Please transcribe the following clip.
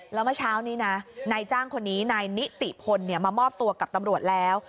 แล้วเมื่อเช้านี้นะนายจ้างคนนี้นายนิติพลมามอบตัวกับตำรวจแล้ว